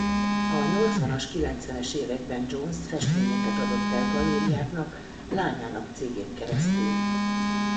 A nyolcvanas-kilencvenes években Jones festményeket adott el galériáknak lányának cégén keresztül.